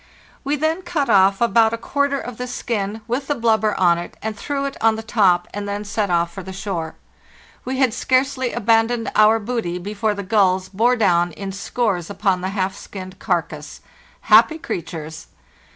We then cut off about a 400 FARTHEST NORTH quarter of the skin, with the blubber on it, and threw it on the top, and then set off for the shore. We had scarcely abandoned our booty before the gulls bore down in scores upon the half skinned carcass. Happy creat ures!